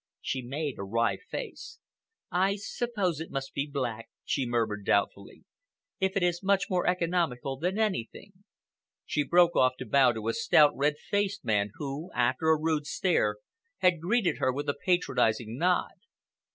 She made a wry face. "I suppose it must be black," she murmured doubtfully. "It is much more economical than anything—" She broke off to bow to a stout, red faced man who, after a rude stare, had greeted her with a patronizing nod.